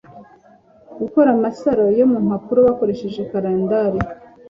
gukora amasaro yo mu mpapuro bakoresheje ‘Calendar’